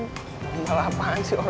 gombal apaan sih